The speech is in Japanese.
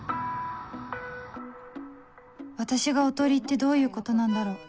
私がおとりってどういうことなんだろう